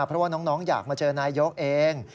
เพราะว่าน้องอยากมาเจอนายกเอง